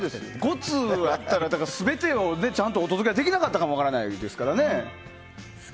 ５通あったら全てをちゃんとお届けはできなかったかも分からないですからね。